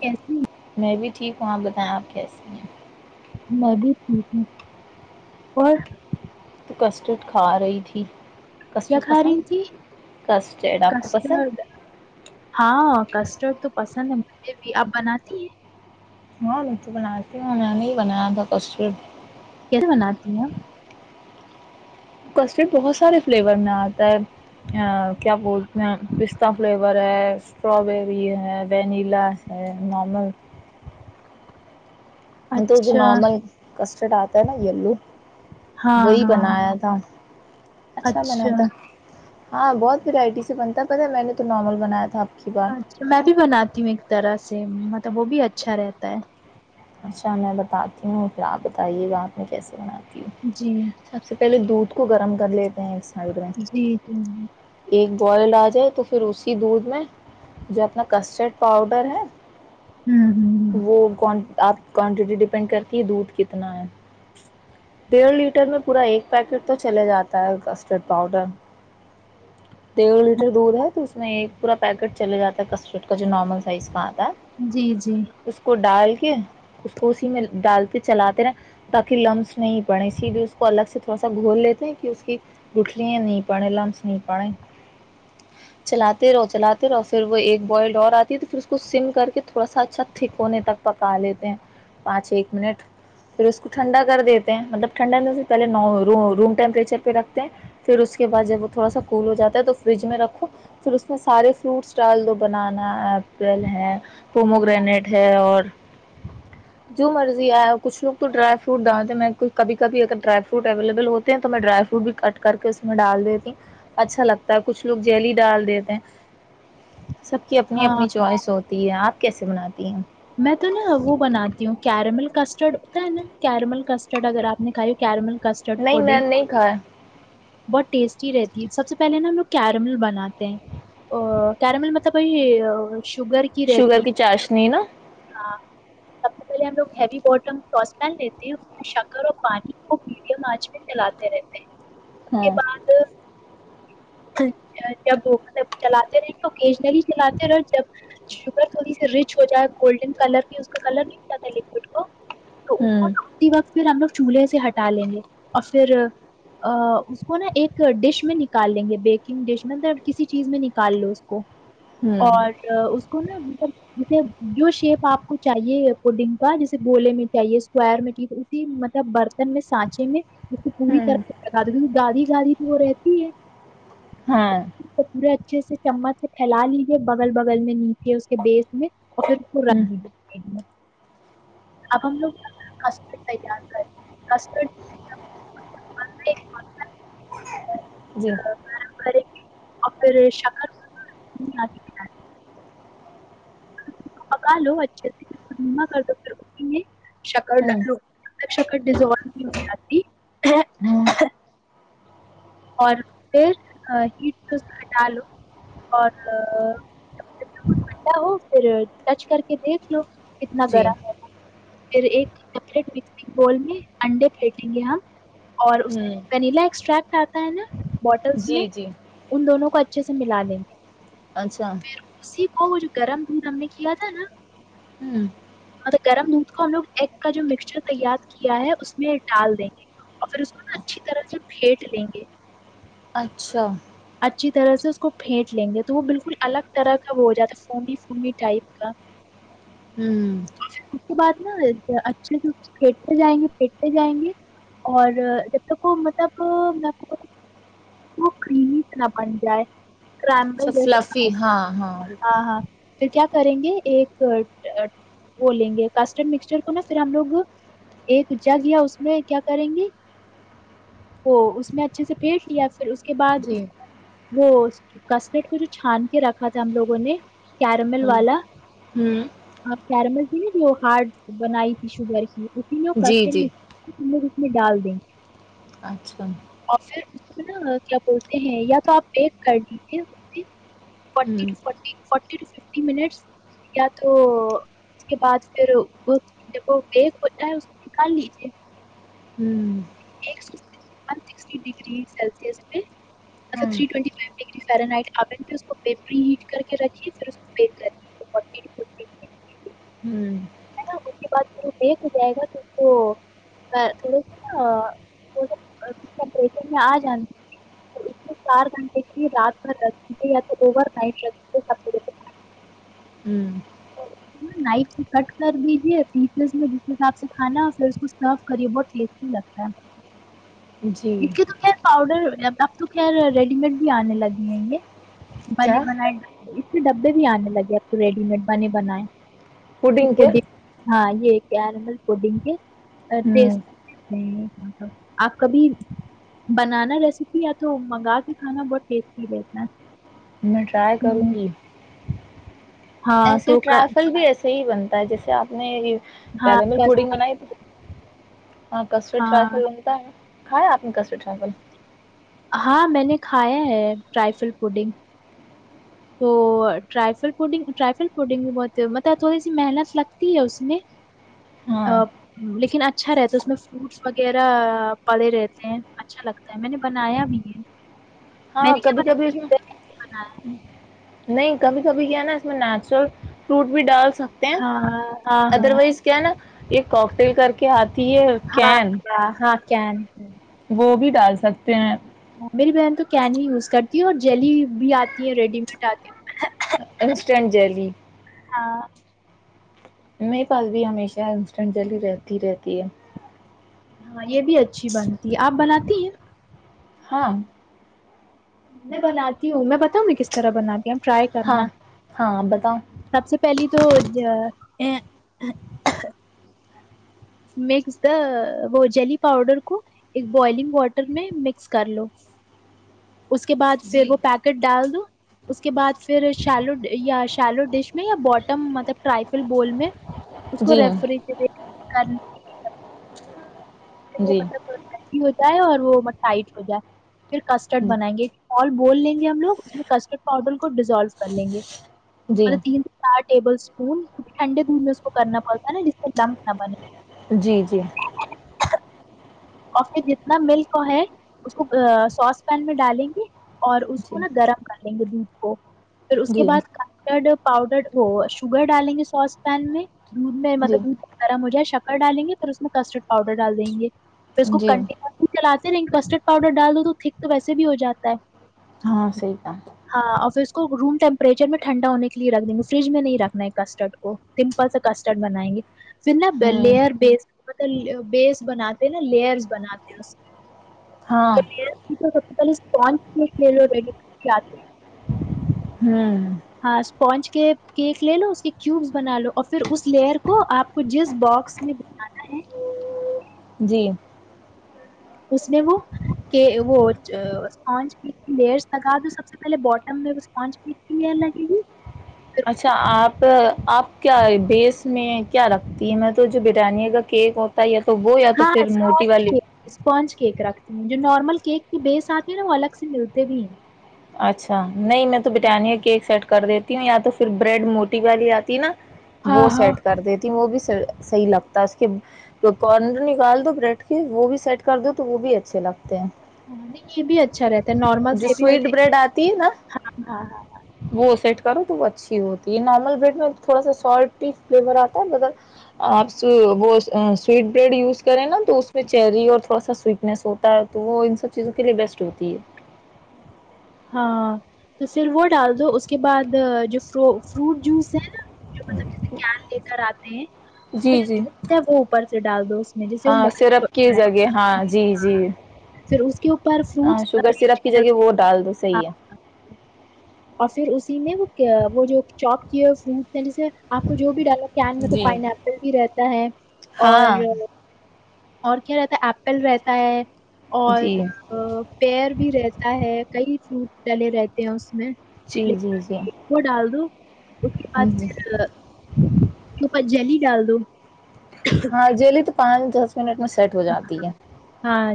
کیسی میں بھی ٹھیک ہوں آپ بتائیں آپ کیسیے ہیں میں بھی ٹھیک ہوں پر کسٹرڈ کھا رہی تھی کیا کسٹرڈ کھا پسند رہی تھی کسٹرڈ آپ کو پسند کسڈ ہاں کسٹرڈ تو پسند ہے مجھے بھی آپ بناتی ہے ہاں مچو بناتی ہوں نے بنایا تھا کس اتو ناتیہ کسٹرڈ بہت سارے فلیور میں آتا ہے کیا بولتے ہیں پستتا فلیور ہے اسٹرابیری ہے وینیلا ہے نارمل تو اچھا جناان شرٹ آتا ہے نا یلو ہاں وہی ہاں بنایا تھا اچھا بنا تھا ہاں بہت ورائٹی سے بنتا پتاہ میں نے تو نارمل بنایا تھا آ اچھا میں بھی بناتی ہوں ایک طرح سے مطلب وہ بھی اچھا رہتا ہے اچھا میں بتاتی ہوں پھر آپ بتائیے گا آپ نے کیسے بناا جی سب سے پہلے دو کو گرم کر لیتے سڈ جی جی ہوں ایک کوئل آ جائے تو پھر اسی دودھ میں جو اپنا کسٹرڈ پاؤڈر ہے ہوں وہ آپ کوانٹیٹی ڈیپینڈ کرتی ہے دودھ کتنا ہے ڈیڑھ لیٹر میں پورا ایک پیکٹ تو چلے جاتا ہے کسٹرڈ پاؤڈر ڈیڑھ لیٹر دودھ ہے تو اس میں ایک پورا پیکٹ چلے جاتا ہے کسٹرڈ کا جو نارمل سائز کا ہوں جی جی اس کو ڈال کے اس کو اسی میں ڈالتے چلاتے رہے تاکہ لمس نہیں پڑے اسی لیے اس کو الگ سے تھوڑا سا گھول لیتے ہیں کہ اس کی گٹلں نہیں پڑیں لمس نہیں پڑے چلاتے رہو چلاتے رہو پھر وہ ایک بوائلڈ اور آتی ہے تو پھر اس کو سم کر کے تھوڑا سا اچھا تھکونے تک پکا لیتے پانچ ایک منٹ پھر اس کو ٹھنڈا کر دیتے ہیں مطلب ٹھنڈا میں سے پہلے ن روم ٹیمپریچر پہ رکھتے ہیں پھر اس کے بعد جب وہ تھوڑا سا کول ہو جاتا ہے تو فریج میں رکھو پھر اس میں سارے فروٹس ڈال دو بنانا ایپل ہے پومو گرینیڈ ہے اور جو مرضی آیا کچھ لوگ تو ڈرائی فروٹ ڈالتے ہیں میں کبھی کبھی اگر ڈرائی فروٹ اویلیبل ہوتے ہیں تو میں ڈرائی فروٹ بھی کٹ کر کے اس میں ڈال دیتی ہ اچھا لگتا ہے کچھ لوگ جیلی ڈال دیتے ہیں سب کی اپنی ہاں اپنی چوائس ہوتی آپ کیسے بناتی ہیں میں تو نا وہ بناتی ہوں کیرمل کسٹرڈ ہوتا ہے نا کیرمل کسٹرڈ اگر آپ نے کھائی کیرمل کسٹر نہیں پ میں نے نہیں کھایا بہت ٹیسٹی رہتی ہے سب سے پہلےا ہم لوگ کیرمل بناتے ہیں ا کیامل م س بئی شوگر کی چاشنی نا ہاں سب سے پہلے ہم لوگ ہیوی بوٹم ساس پین لیتے ہیں اس میں شکر اور پانی کو میڈیم آنچ میں چلاتے رہتے ہیں اس ہاں کے بعد جب مطلب چلاتے رہے اوکیجنلی چلاتے رہے جب شوگر تھوڑی سی رچ ہو جائے گولڈن کلر کی اس کا کلر نہیں ملا لکوڈ کو تو اپر ہوں چھتی وقت پھر ہم لوگ چولہے سے ہٹا لیں گے اور پھر اس کو نا ایک ڈش میں نکال لیں گے بیکنگ ڈش میںب کسی چیز میں نکال لو اس کو ہوں اور اس کو نا مبے جو شیپ آپ کو چاہیے پڈنگ کا جیسے گولے میں چاہیے اسکوائر میں چاہیے اسی مطلب برتن میں سانچے میں اس پوری ہوں طرحد بھی گا رہی زیادی تو وہ رہتی ہے ہاں اس کو پورے اچھے سے چمچ سے پھیلا لیجیے بگل بگل میں نیچے اس کے دیس میں اور پھر ہ رنی اب ہم لوگ کسٹڈ تار کرڈ جی بم اور پھر شکر پکا لو اچھے سے کر کر لیا شکر ہ لکھ لو شکر ہاں اور پھر ہیٹ کو ہٹا لو اور ھڈا ہو پھر ٹچ کر کے دیکھ لو کتنا جی گرم ہے پھر ایک سپٹ مکسنگ بال میں انڈے پھیر لیں گے ہم اور ہ ونیلا ایککسٹا کہ آتا ہے نا بوٹلس میں جی جی ان دونوں کو اچا اچھے سے ملا لیںے اچھا وہ وہ جو گرم دودھ ہم نے کیا تھا نا ہوں مطلب گرم دودھ کو ہم لوگ ایگ کا جو مکسچر تیار کیا ہے اس میں ڈال دیں گے اور پھر اس کو نا اچھی طرح سے پٹ چلیں گے اچھا اچھی طرح سے اس کو پھینٹ لیں گے تو وہ بالکل الگ طرح کا وہ ہو جاتا ہے فنی فو ٹائپ کا ہوں اس کے بعد نا اچھے سے پھیٹتے جائیں گے پھیٹتے جائیں گے اور جب تک وہ مطلب میں وہ خریت نہ بن جائے س کرمبل جیسا نہ فلفی ہو ہاں ہاں پھر کیا کریں گے ایک وہ لیں گے کاسٹرڈ مکسچر کو نا پھر ہم لوگ ایک جگیا اس میں کیا کریں گے وہ اس میں اچھے سے پیٹ لیا پھر کے بعد اس جی وہ کسمیٹ کو جو چھان کے رکھا تھا ہم لوگوں نے کیرمل ہ والا ہوں ہاں کیرمل تھی نا جو ہارڈ بنائی تھی شوگر کی جی جی [unintelligible] اس میں ڈال دیں اچھا ن کیا بولتے ہیں یا تو آپ بیک کر لیجیے فٹی ہوں فٹی فورٹی ف مٹ یا تو اس کے بعد پھر وہ ج بیک ہوتا ہے نکال لیجے ہوں س ڈگ سلس پ مطلب ہاں تھ ٹ ف ڈ فرٹ آپ پیپری ہیٹ کر کے رکھیے پھر پ کر ہوں اس بعدیک ہو جائے گا تو تھڑے س ن میں ج چار گھنٹے رات بھر ر یا تو او ہوں ن کٹ کر دیجیے تیسس جس حساب سے کھانا پھر اس کو سرو کرے بہت ٹیسٹی لگتا ہے جی اتکے تو کیا پؤڈر اب تو خیر ریڈی میڈ بھی آنے لگے ہیں یہے منے کیا بن ڈبے بھی آنے لگے اب تو ریڈی میڈ بنے بنیں پڈنگ کے ہاں یہ ل ٹی ہوں آپ کبھی بنانا ریسیپی یا تو منگا کے کھانا بہت ٹیسٹی رہتا ہے میں ٹرائی کروں ہوں، گی ہاں تو کا صحیح بنتا ہے جیسے آپ نے ہاں پیرمے کس- پوڑ گ ن ہاں کس ٹراف ہاں ہوتا ہے ہاں اپن کسے چٹاول ہاں میں نے کھایا ہے ٹرائفل پوڈنگ تو ٹرل ف ٹرل فوڈنگ بھی بہت مطلب تھوڑی سی محنت لگتی ہے اس میں ہاں لیکن اچھا رہتا اس میں فروٹس وغیرہ پڑے رہتے ہیں اچھا لگتا ہے میں نے بنایا بھی ہے میں ہاں نے کبھی کیا کبھی اس میں بنایا نہیں کبھی کبھی کیا نا اس میں نیچرل فروٹ بھی ڈال سکتے ہیں ہاں ہاں ادر ہاں وائز کیا ہے نا یہ کاکٹیل کر کے آتی ہے کین کیاان وہ بھی ڈال سکتے ہیں میری بہن تو کین ہی یوز کرتی ہے اور جلی بھی آتی ہے ریڈی میڈ آتی انسٹین جیلی ہاں میرے پاس بھی ہمیشہ انسٹنٹ جیلی رہتی ہی رہتی ہے ہاں یہ بھی اچھی بنتی ہے آپ بناتی ہیں ہاں میں بناتی ہوں میں بتاؤں گی کس طرح بناتی ٹرائی ہاں کرنا ہاں بتاؤ سب سے پہلی تو ج ا [unintelligible] مکس د وہ جلی پاؤڈر کو ایک بوائلنگ واٹر میں مکس کر لو اس کے بعد پھر جی وہ پیکٹ ڈال دو اس کے بعد پھر شلو یا شلو ڈش میں یا بوٹم مطلب ٹرائفل بول میں اس کو جی ریفریج دیک کم [unintelligible] جی [unintelligible] جائے اور وہ ٹائٹ ہو جائے پھر کسٹرڈ جی بنائیں گے مال بول لیں گے ہم لگ اس میں کسٹرڈ پاؤڈر کو ڈیزولو کر لیں گے جی مطب تین سے چار ٹیبل اون ٹھنڈے دن میں اس کو کرنا پڑتا ہے نا جس سے لمک نہ بنے جی جی اور پھر جتنا ملک ہے اس کو سانس پین میں ڈالیں گے اور اس کو نا گرم کر لیں گے دودھ کو پھر اس کے جی بعد کڈ پاؤڈر وہ شوگر ڈالیں گے سوس پین میں دودھ میں جی مطلب دودھ گرم ہو جائے شکر ڈالیں گے پھر اس میں کسٹرڈ پاؤڈر ڈال دیں گے اس کو جی کنٹینر چلاتے لیکن کسٹرڈ پاؤڈر ڈال دو تو تھک تو ویسے بھی ہو جاتا ہے ہاں صی تھا ہاں اور پھر اس کو روم ٹیمپریچر میں ٹھنڈا ہونے کے لیے رکھ دیں گے فریج میں نہیں رکھنا کسٹرڈ کو سمپل سے کسٹرڈ بنائیں گے پھر نا ہوں لیئر بیس مل بیس بنا نا لیئرس بناتے ہیں اس ہاں پ اسپون لے لو رہیڈ یا ہوں ہاں اسپونج کے کیک لے لو اس کے کیوبس بنا لو اور پھر اس لیئر کو آپ کو جس باکس میں بنانا ہے جی اس نے وہ وہ اسپونج لئرس لگا دو سب سے پہلے بوٹم میں اسپانج کی لئر لگے گی پھر اچھا آپ آپ کیا بیس میں کیا رکھتی ہے میں تو جو بریانی کا کیک ہوتا ہے تو وہ یا تو ہاں پھر موٹی اسپونج والی کیک اسپونج کیک رکھتی ہوں جو نارمل کیک کے بے ساتھ ہیں نا وہ الگ سے ملتے بھی ہیں اچھا نہیں میں تو بٹانیہ کا کیک سیٹ کر دیتی ہوں یا تو پھر بریڈ موٹی والی آتی نہ ہاں وہ ہاں سیٹ کر دیتی وہ بھی صحیح لگتا ہے اس کے جو کارنر نکال دو بریڈ کی وہ بھی سیٹ کر دو تو وہ بھی اچھے لگتے ہیں ہاں نہیں یہ بھی اچھا رہتا ہے نارمل سے جو یہ بھی سویٹ رہتا بریڈ آتی ہے نا ہاں ہاں وہ سیٹ کرو تو وہ اچھی ہوتی ہے نارمل بریڈ میں تھوڑا سا سالٹی فلیور آتا ہے مگر آپ سویٹ بریڈ یوز کریں نہ تو اس میں چیری اور تھوڑا سا سویٹنیس ہوتا ہے تو وہ ان سب چیزوں کے لیے بیسٹ ہوتی ہے ہاں ہاں تو پھر وہ ڈال دو اس کے بعد جو فر فروٹ جوس ہے نہ جو مطلب جیسے کراتے ہیں اس میں جی جی جو جو ہے وہ اوپر سے ڈال دو اس میں جیسے ہاں سرپ کی جگہ ہاں جی جی پھر اس کے اوپر ہاں فروٹس شوگر سیرپ ارینج کی جگہ وہ ڈال دو ہاں صحیح ہے اور پھر اسی میں وہ وہ جو چوب کیا اس نے پھر اسے آپ کو جو بھی ڈالا کین میں تو جی پائن ایپل بھی رہتا چاہے اور ہاں اور کیا رہتا ہے ایپل رہتا ہے اور جی پیر بھی رہتا ہے فروٹ ڈلے رہتے ہیں اس میں جی جی جی وہ ڈال دو اس کے بعد اس کےاوپر جیلی ڈال دو ہاں جیلی تو پانچ دس منٹ میں سیٹ ہو جاتی ہے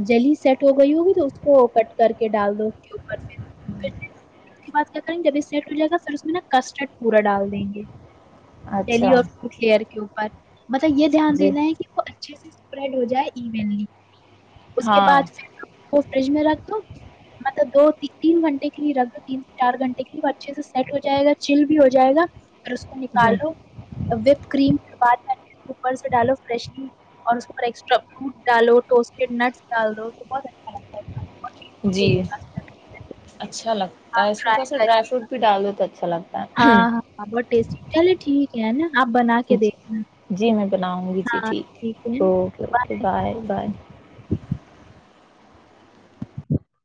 جلیی سیٹ ہو گئی ہوگی تو اس کو کٹ کر کے ڈال دو اس کے اوپر پھر پھر اس کے بعد کیا کریں گے جب یہ سیٹ ہو جائے گا پھر اس میں نہ کسٹرڈ پورا ڈال دیں گے جیلی اچھا اور فروٹ لیر کیوں اچ مطلب یہ دھیان جی دینا ہے کہ وہ اچھے سے اسپریڈ ہو جائے کی بلی اس کے ہاں بعد پھر وہ فریج میں رکھ دو مطلب دو تین گھنٹے کے لیے رکھ دو تین چار گھنٹے کے لیے وہ اچھے سے سیٹ ہو جائے گا چل بھی ہو جائے گا اس کو جی نکالو اور وتھ کریم کاٹ کر اپر سے ڈالو فریشلی اور اس کے ایکسٹرا فروٹ ڈالو ٹوسٹیڈ نٹس ڈال دو تو بہت ہے لگتا اور جی ٹیسٹی ہے، اچھا لگتا ہے آپ اس میں ٹرائی تھوڑا سا کریں ڈرائی فروٹ بھی ڈال دیتا ہاں ہاں بٹی چلے ٹھیک ہے نا آپ بنا کے جی دیکھیں جی میں بناؤں گی جی ٹھیک اوکے اوکے بائے بائے ہ